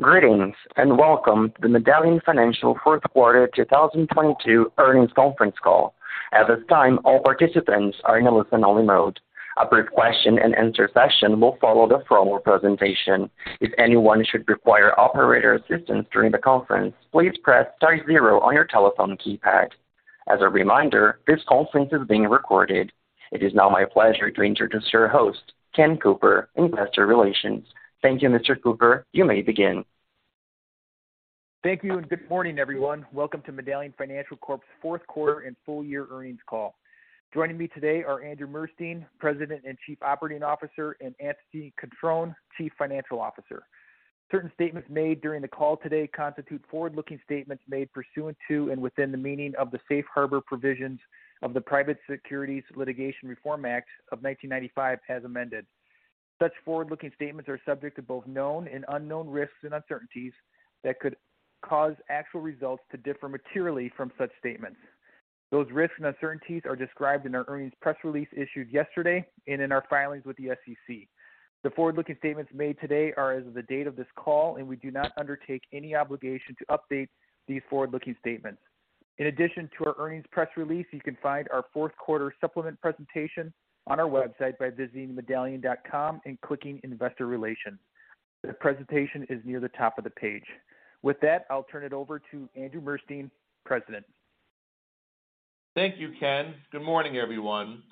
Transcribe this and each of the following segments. Greetings, welcome to the Medallion Financial fourth quarter 2022 earnings conference call. At this time, all participants are in a listen-only mode. A brief question-and-answer session will follow the formal presentation. If anyone should require operator assistance during the conference, please press star zero on your telephone keypad. As a reminder, this conference is being recorded. It is now my pleasure to introduce your host, Ken Cooper, Investor Relations. Thank you, Mr. Cooper. You may begin. Thank you and good morning, everyone. Welcome to Medallion Financial Corp's fourth quarter and full year earnings call. Joining me today are Andrew Murstein, President and Chief Operating Officer, and Anthony Cutrone, Chief Financial Officer. Certain statements made during the call today constitute forward-looking statements made pursuant to and within the meaning of the Safe Harbor Provisions of the Private Securities Litigation Reform Act of 1995 as amended. Such forward-looking statements are subject to both known and unknown risks and uncertainties that could cause actual results to differ materially from such statements. Those risks and uncertainties are described in our earnings press release issued yesterday and in our filings with the SEC. The forward-looking statements made today are as of the date of this call, and we do not undertake any obligation to update these forward-looking statements. In addition to our earnings press release, you can find our fourth quarter supplement presentation on our website by visiting medallion.com and clicking Investor Relations. The presentation is near the top of the page. With that, I'll turn it over to Andrew Murstein, President. Thank you, Ken. Good morning, everyone.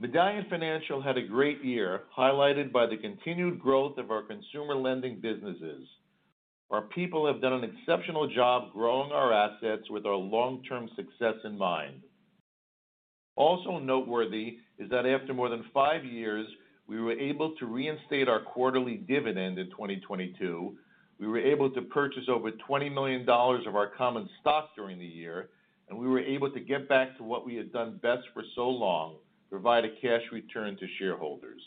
Medallion Financial had a great year, highlighted by the continued growth of our consumer lending businesses. Our people have done an exceptional job growing our assets with our long-term success in mind. Also noteworthy is that after more than five years, we were able to reinstate our quarterly dividend in 2022. We were able to purchase over $20 million of our common stock during the year, and we were able to get back to what we had done best for so long, provide a cash return to shareholders.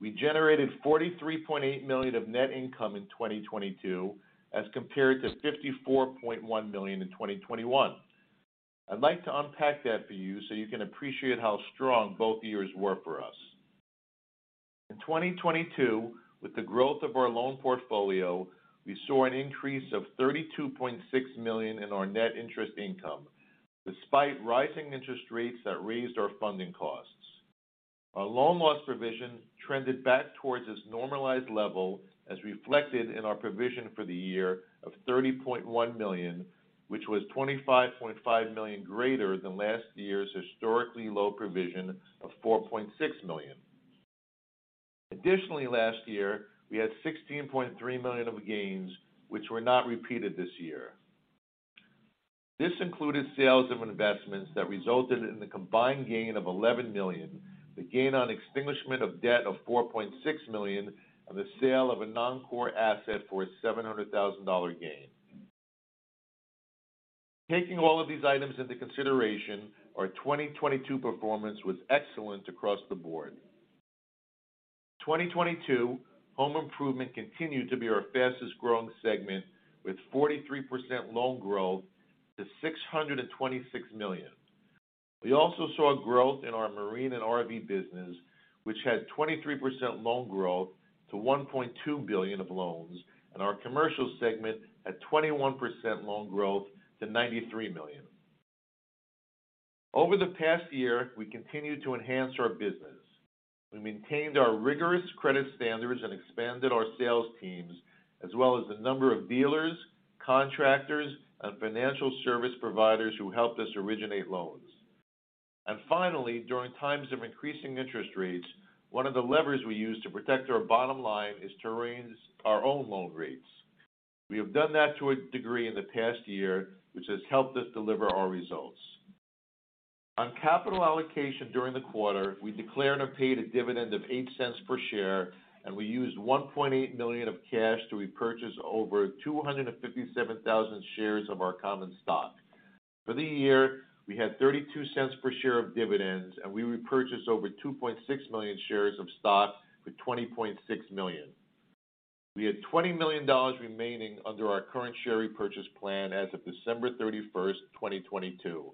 We generated $43.8 million of net income in 2022 as compared to $54.1 million in 2021. I'd like to unpack that for you so you can appreciate how strong both years were for us. In 2022, with the growth of our loan portfolio, we saw an increase of $32.6 million in our net interest income, despite rising interest rates that raised our funding costs. Our loan loss provision trended back towards its normalized level as reflected in our provision for the year of $30.1 million, which was $25.5 million greater than last year's historically low provision of $4.6 million. Last year, we had $16.3 million of gains, which were not repeated this year. This included sales of investments that resulted in the combined gain of $11 million, the gain on extinguishment of debt of $4.6 million, and the sale of a non-core asset for a $700,000 gain. Taking all of these items into consideration, our 2022 performance was excellent across the board. 2022, home improvement continued to be our fastest-growing segment with 43% loan growth to $626 million. We also saw growth in our marine and RV business, which had 23% loan growth to $1.2 billion of loans. Our commercial segment had 21% loan growth to $93 million. Over the past year, we continued to enhance our business. We maintained our rigorous credit standards and expanded our sales teams, as well as the number of dealers, contractors, and financial service providers who helped us originate loans. Finally, during times of increasing interest rates, one of the levers we use to protect our bottom line is to raise our own loan rates. We have done that to a degree in the past year, which has helped us deliver our results. On capital allocation during the quarter, we declared and paid a dividend of $0.08 per share. We used $1.8 million of cash to repurchase over 257,000 shares of our common stock. For the year, we had $0.32 per share of dividends. We repurchased over 2.6 million shares of stock for $20.6 million. We had $20 million remaining under our current share repurchase plan as of December 31st, 2022.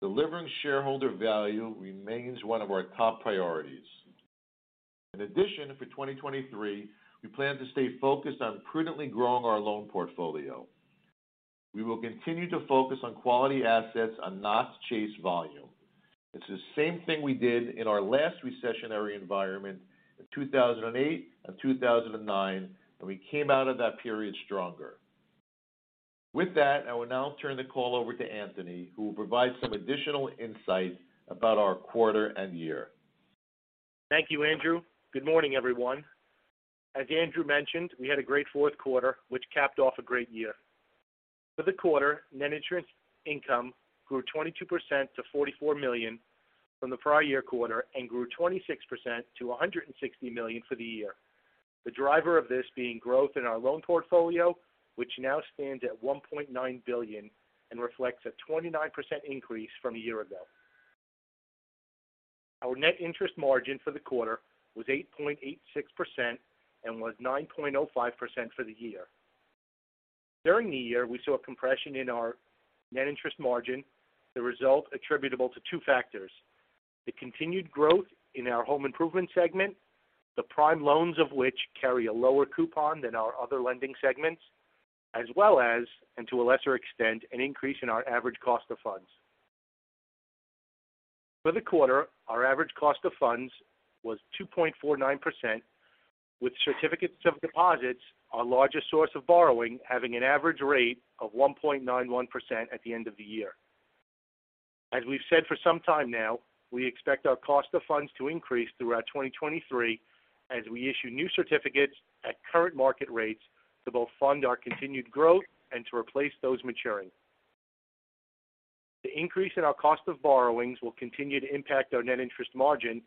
Delivering shareholder value remains one of our top priorities. In addition, for 2023, we plan to stay focused on prudently growing our loan portfolio. We will continue to focus on quality assets and not chase volume. It's the same thing we did in our last recessionary environment in 2008 and 2009. We came out of that period stronger. With that, I will now turn the call over to Anthony, who will provide some additional insight about our quarter and year. Thank you, Andrew. Good morning, everyone. As Andrew mentioned, we had a great fourth quarter, which capped off a great year. For the quarter, net interest income grew 22% to $44 million from the prior year quarter and grew 26% to $160 million for the year. The driver of this being growth in our loan portfolio, which now stands at $1.9 billion and reflects a 29% increase from a year ago. Our net interest margin for the quarter was 8.86% and was 9.05% for the year. During the year, we saw a compression in our net interest margin, the result attributable to two factors. The continued growth in our home improvement segment, the prime loans of which carry a lower coupon than our other lending segments, as well as, and to a lesser extent, an increase in our average cost of funds. For the quarter, our average cost of funds was 2.49%, with certificates of deposit, our largest source of borrowing, having an average rate of 1.91% at the end of the year. As we've said for some time now, we expect our cost of funds to increase throughout 2023 as we issue new certificates at current market rates to both fund our continued growth and to replace those maturing. The increase in our cost of borrowings will continue to impact our net interest margin.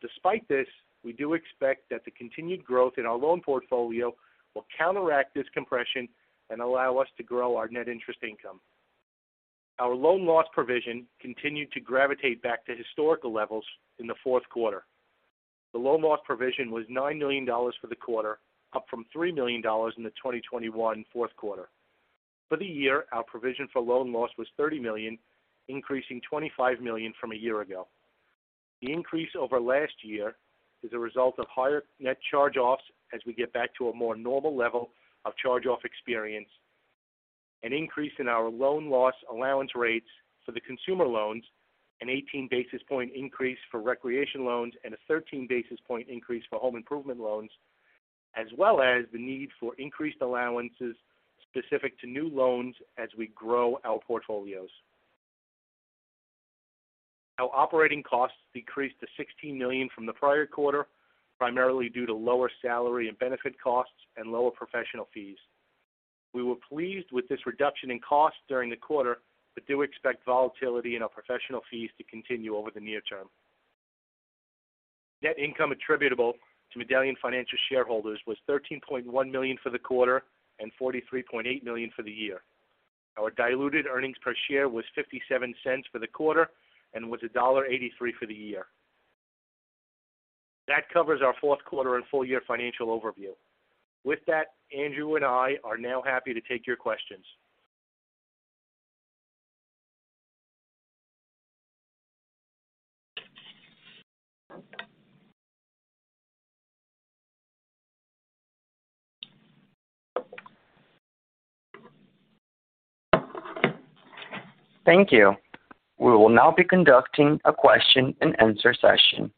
Despite this, we do expect that the continued growth in our loan portfolio will counteract this compression and allow us to grow our net interest income. Our loan loss provision continued to gravitate back to historical levels in the fourth quarter. The loan loss provision was $9 million for the quarter, up from $3 million in the 2021 fourth quarter. For the year, our provision for loan loss was $30 million, increasing $25 million from a year ago. The increase over last year is a result of higher net charge-offs as we get back to a more normal level of charge-off experience, an increase in our loan loss allowance rates for the consumer loans, an 18 basis point increase for recreation loans, and a 13 basis point increase for home improvement loans, as well as the need for increased allowances specific to new loans as we grow our portfolios. Our operating costs decreased to $16 million from the prior quarter, primarily due to lower salary and benefit costs and lower professional fees. Do expect volatility in our professional fees to continue over the near term. Net income attributable to Medallion Financial shareholders was $13.1 million for the quarter and $43.8 million for the year. Our diluted earnings per share was $0.57 for the quarter and was $1.83 for the year. That covers our fourth quarter and full year financial overview. With that, Andrew and I are now happy to take your questions. Thank you. We will now be conducting a question-and-answer session.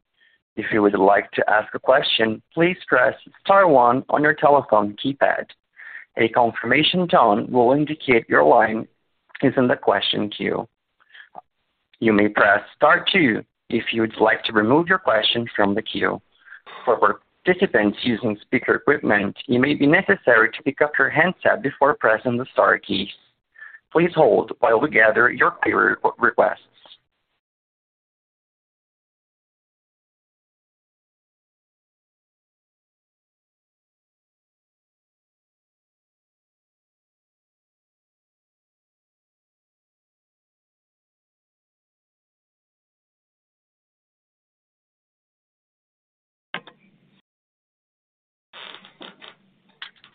If you would like to ask a question, please press star one on your telephone keypad. A confirmation tone will indicate your line is in the question queue. You may press star two if you'd like to remove your question from the queue. For participants using speaker equipment, it may be necessary to pick up your handset before pressing the star keys. Please hold while we gather your queue requests.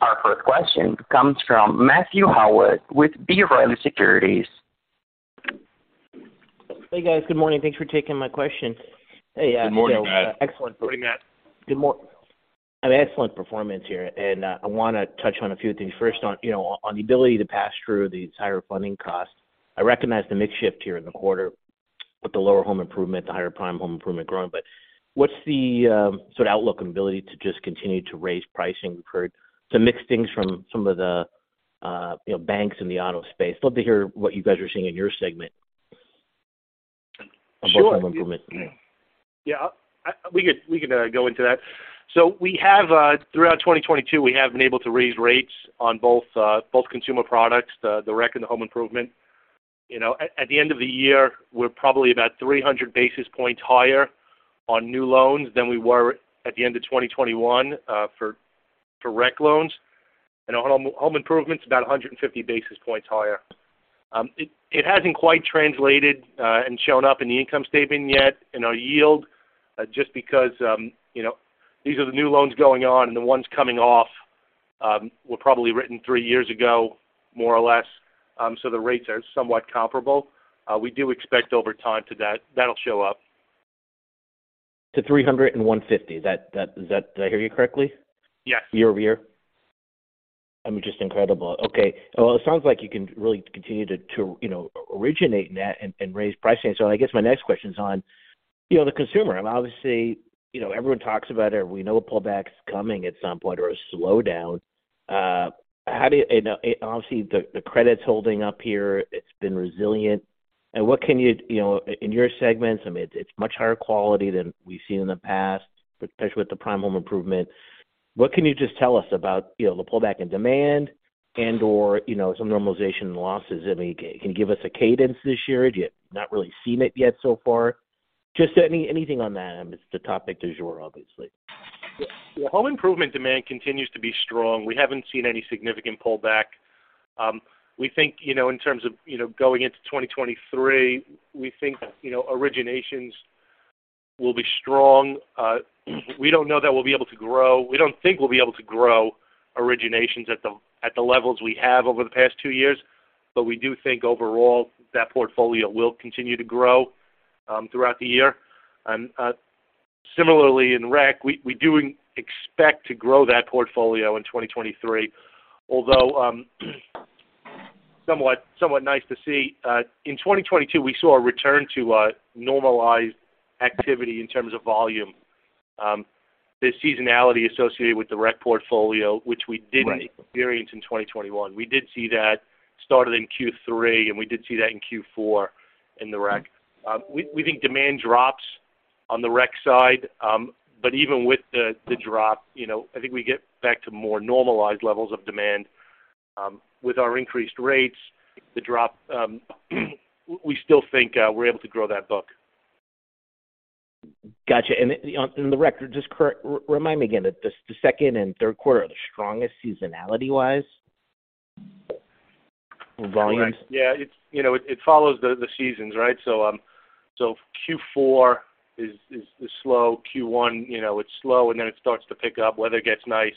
Our first question comes from Matthew Howlett with B. Riley Securities. Hey, guys. Good morning. Thanks for taking my question. Good morning, Matt. Excellent. Good morning. An excellent performance here. I wanna touch on a few things. First on, you know, on the ability to pass through these higher funding costs. I recognize the mix shift here in the quarter with the lower home improvement, the higher prime home improvement growth. What's the sort of outlook and ability to just continue to raise pricing for some mixed things from some of the, you know, banks in the auto space? Love to hear what you guys are seeing in your segment. Sure. On both home improvements. Yeah. We could go into that. We have throughout 2022, we have been able to raise rates on both both consumer products, the rec and the home improvement. You know, at the end of the year, we're probably about 300 basis points higher on new loans than we were at the end of 2021 for rec loans. On home improvements, about 150 basis points higher. It hasn't quite translated and shown up in the income statement yet in our yield just because, you know, these are the new loans going on and the ones coming off were probably written three years ago, more or less, so the rates are somewhat comparable. We do expect over time to that'll show up. To $301.50. That. Did I hear you correctly? Yes. Year-over-year. I mean, just incredible. Okay. Well, it sounds like you can really continue to, you know, originate in that and raise pricing. I guess my next question is on, you know, the consumer. I mean, obviously, you know, everyone talks about it. We know a pullback's coming at some point or a slowdown. Obviously, the credit's holding up here. It's been resilient. You know, in your segments, I mean, it's much higher quality than we've seen in the past, especially with the prime home improvement. What can you just tell us about, you know, the pullback in demand and/or, you know, some normalization in losses? I mean, can you give us a cadence this year? Do you not really seen it yet so far? Just anything on that. I mean, it's the topic du jour, obviously. The home improvement demand continues to be strong. We haven't seen any significant pullback. We think, you know, in terms of, you know, going into 2023, we think, you know, originations will be strong. We don't know that we'll be able to grow. We don't think we'll be able to grow originations at the, at the levels we have over the past two years. We do think overall that portfolio will continue to grow throughout the year. Similarly in rec, we do expect to grow that portfolio in 2023, although, somewhat nice to see. In 2022, we saw a return to a normalized activity in terms of volume. The seasonality associated with the rec portfolio, which we didn't experience in 2021. We did see that started in Q3, we did see that in Q4 in the rec. We think demand drops on the rec side. Even with the drop, you know, I think we get back to more normalized levels of demand. With our increased rates, the drop, we still think we're able to grow that book. Got you. In the rec, just remind me again, the second and third quarter are the strongest seasonality-wise volume? Right. Yeah, it's, you know, it follows the seasons, right? Q4 is slow. Q1, you know, it's slow, and then it starts to pick up. Weather gets nice.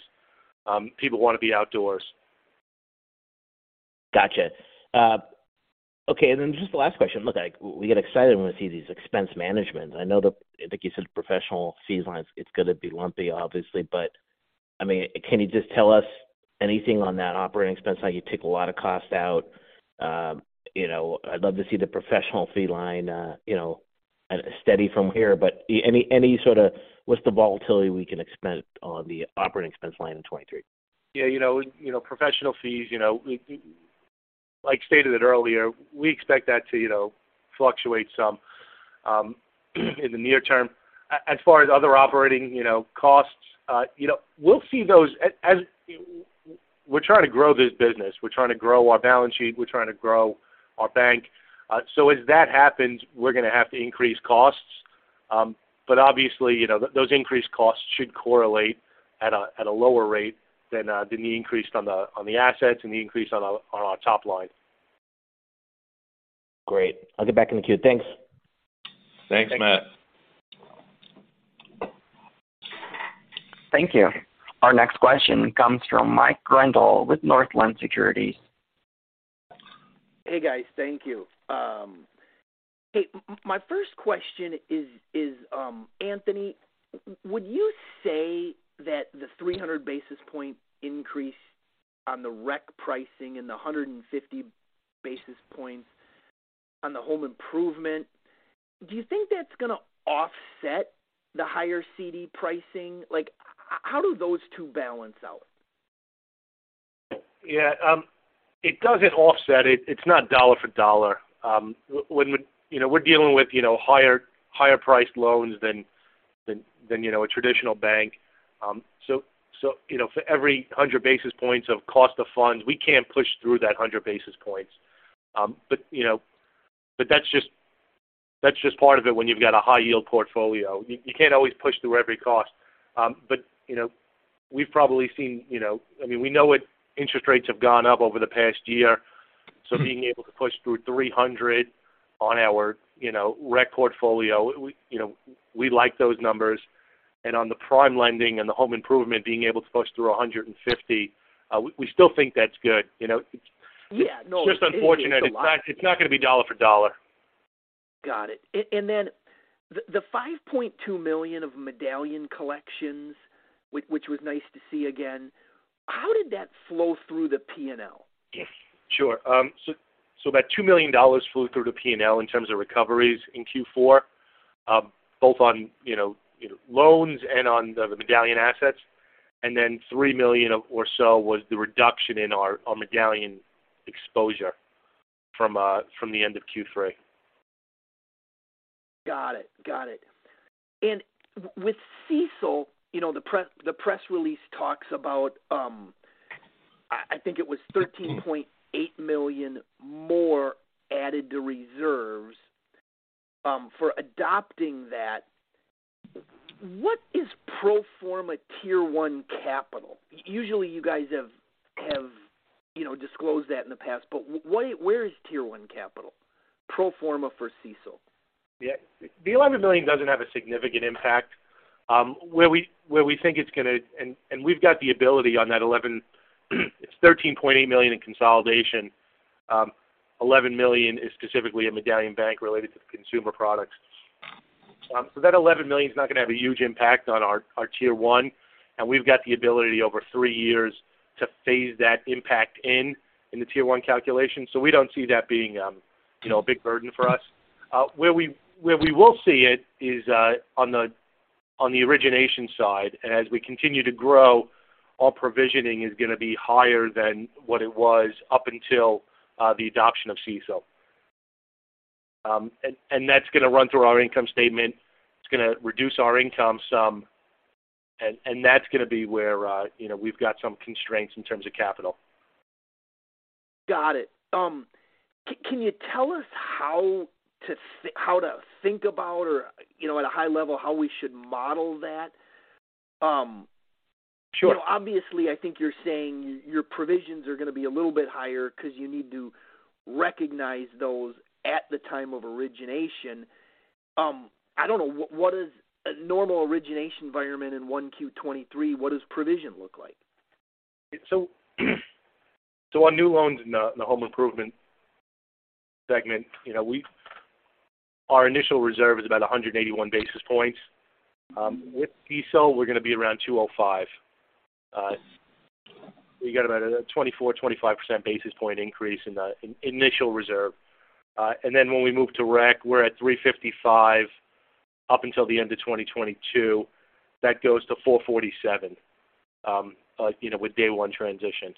People wanna be outdoors. Got you. Okay, just the last question. Look, like we get excited when we see these expense management. I know the, like you said, professional fee lines, it's gonna be lumpy, obviously. I mean, can you just tell us anything on that operating expense line? You take a lot of cost out. You know, I'd love to see the professional fee line, you know, steady from here. Any sort of what's the volatility we can expect on the operating expense line in 23? Yeah, you know, professional fees, you know, like stated earlier, we expect that to, you know, fluctuate some in the near term. As far as other operating, you know, costs, you know, we'll see those as we're trying to grow this business. We're trying to grow our balance sheet. We're trying to grow our bank. As that happens, we're gonna have to increase costs. Obviously, you know, those increased costs should correlate at a lower rate than the increase on the assets and the increase on our top line. Great. I'll get back in the queue. Thanks. Thanks, Matt. Thank you. Our next question comes from Mike Grondahl with Northland Securities. Hey, guys. Thank you. Hey, my first question is, Anthony, would you say that the 300 basis point increase on the rec pricing and the 150 basis points on the home improvement, do you think that's gonna offset the higher CD pricing? Like, how do those two balance out? Yeah. It doesn't offset it. It's not dollar for dollar. When you know, we're dealing with, you know, higher priced loans than, you know, a traditional bank. You know, for every 100 basis points of cost of funds, we can't push through that 100 basis points. You know, that's just part of it when you've got a high-yield portfolio. You can't always push through every cost. You know, we've probably seen, you know. I mean, we know it, interest rates have gone up over the past year. Being able to push through 300 on our, you know, rec portfolio, we like those numbers. On the prime lending and the home improvement, being able to push through 150, we still think that's good. You know. Yeah. No, it is. It's a lot. It's just unfortunate. It's not gonna be dollar for dollar. Got it. The, the $5.2 million of Medallion Collections, which was nice to see again, how did that flow through the P&L? Sure. About $2 million flew through the P&L in terms of recoveries in Q4, both on, you know, loans and on the Medallion assets. $3 million or so was the reduction in our Medallion exposure from the end of Q3. Got it. Got it. With CECL, you know, the press, the press release talks about, I think it was $13.8 million more added to reserves for adopting that. What is pro forma Tier 1 capital? Usually, you guys have, you know, disclosed that in the past, but where is Tier 1 capital pro forma for CECL? Yeah. The $11 million doesn't have a significant impact. Where we think it's gonna. We've got the ability on that $11 million. It's $13.8 million in consolidation. $11 million is specifically a Medallion Bank related to consumer products. That $11 million is not gonna have a huge impact on our Tier 1, and we've got the ability over three years to phase that impact in the Tier 1 calculation. We don't see that being, you know, a big burden for us. Where we will see it is on the origination side. As we continue to grow, our provisioning is gonna be higher than what it was up until the adoption of CECL. That's gonna run through our income statement. It's gonna reduce our income some, and that's gonna be where, you know, we've got some constraints in terms of capital. Got it. can you tell us how to how to think about or, you know, at a high level, how we should model that? You know, obviously, I think you're saying your provisions are gonna be a little bit higher because you need to recognize those at the time of origination. I don't know, what is a normal origination environment in 1Q 2023, what does provision look like? On new loans in the home improvement segment, you know, our initial reserve is about 181 basis points. With CECL, we're gonna be around 205. We got about a 24%, 25% basis point increase in the initial reserve. When we move to rec, we're at 355 up until the end of 2022. That goes to 447, you know, with day one transition.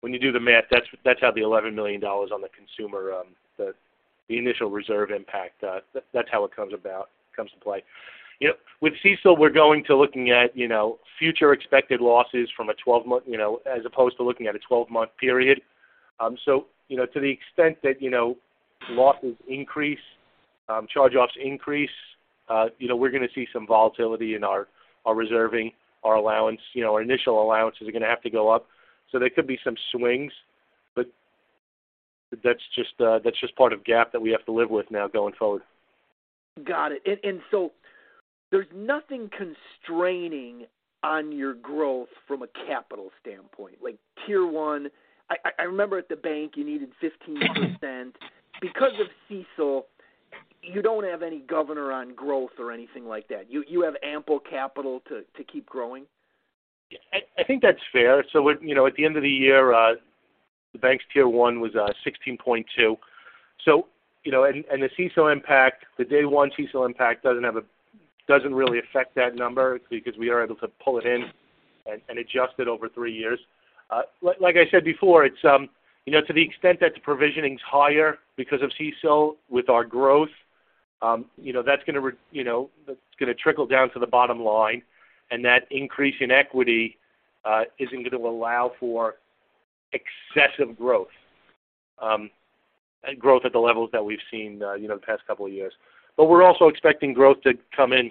When you do the math, that's how the $11 million on the consumer, the initial reserve impact, that's how it comes about, comes to play. You know, with CECL, we're going to looking at, you know, future expected losses from a 12 month, you know, as opposed to looking at a 12-month period. You know, to the extent that, you know, losses increase, charge-offs increase, you know, we're gonna see some volatility in our reserving, our allowance. You know, our initial allowances are gonna have to go up. There could be some swings, but that's just, that's just part of GAAP that we have to live with now going forward. Got it. There's nothing constraining on your growth from a capital standpoint, like Tier 1. I remember at the bank, you needed 15%. Because of CECL, you don't have any governor on growth or anything like that. You have ample capital to keep growing. I think that's fair. At, you know, at the end of the year, the bank's Tier 1 was 16.2%. You know, the CECL impact, the day one CECL impact doesn't really affect that number because we are able to pull it in and adjust it over three years. Like I said before, it's, you know, to the extent that the provisioning is higher because of CECL with our growth, you know, that's gonna trickle down to the bottom line, and that increase in equity isn't gonna allow for excessive growth at the levels that we've seen, you know, the past couple of years. We're also expecting growth to come in.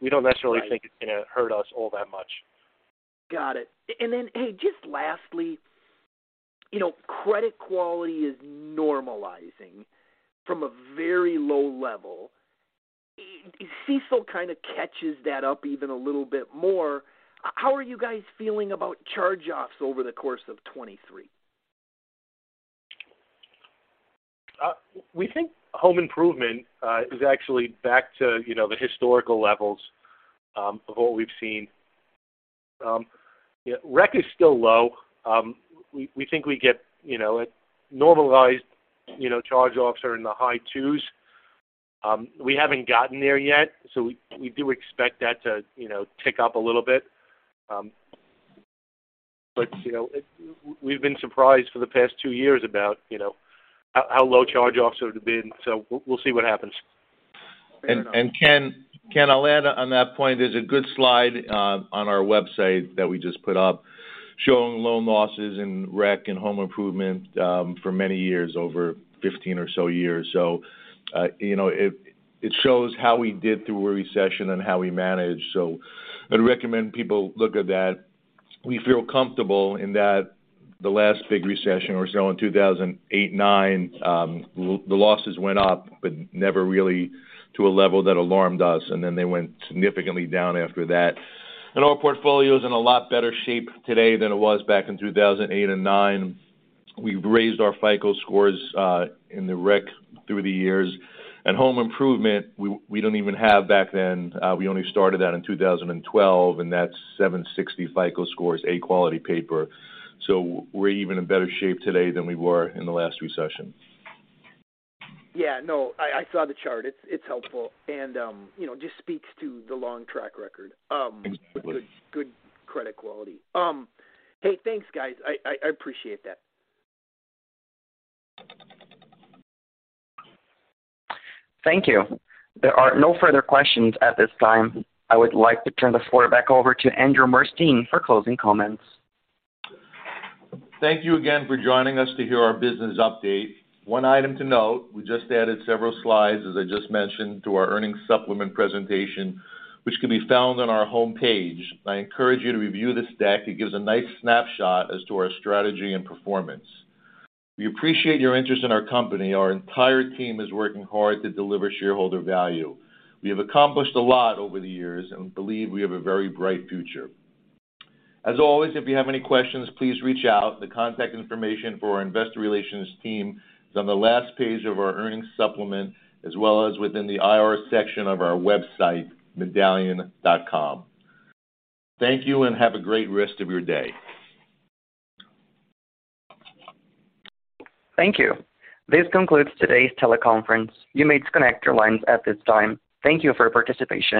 We don't necessarily think it's gonna hurt us all that much. Got it. Hey, just lastly, you know, credit quality is normalizing from a very low level. CECL kinda catches that up even a little bit more. How are you guys feeling about charge-offs over the course of 2023? We think home improvement is actually back to, you know, the historical levels of what we've seen. Yeah, rec is still low. We think we get, you know, a normalized, you know, charge-offs are in the high 2%. We haven't gotten there yet, so we do expect that to, you know, tick up a little bit. You know, we've been surprised for the past two years about, you know, how low charge-offs have been. We'll see what happens. Ken, I'll add on that point. There's a good slide on our website that we just put up showing loan losses in rec and home improvement for many years, over 15 or so years. You know, it shows how we did through a recession and how we managed. I'd recommend people look at that. We feel comfortable in that the last big recession or so in 2008, 2009, the losses went up, but never really to a level that alarmed us, and then they went significantly down after that. Our portfolio is in a lot better shape today than it was back in 2008 and 2009. We've raised our FICO scores in the rec through the years. Home improvement, we don't even have back then. We only started that in 2012, and that's 760 FICO scores, A quality paper. We're even in better shape today than we were in the last recession. Yeah, no, I saw the chart. It's helpful and, you know, just speaks to the long track record. Absolutely. Good credit quality. Hey, thanks, guys. I appreciate that. Thank you. There are no further questions at this time. I would like to turn the floor back over to Andrew Murstein for closing comments. Thank you again for joining us to hear our business update. One item to note, we just added several slides, as I just mentioned, to our earnings supplement presentation, which can be found on our homepage. I encourage you to review this deck. It gives a nice snapshot as to our strategy and performance. We appreciate your interest in our company. Our entire team is working hard to deliver shareholder value. We have accomplished a lot over the years and believe we have a very bright future. As always, if you have any questions, please reach out. The contact information for our investor relations team is on the last page of our earnings supplement, as well as within the IR section of our website, medallion.com. Thank you and have a great rest of your day. Thank you. This concludes today's teleconference. You may disconnect your lines at this time. Thank you for your participation.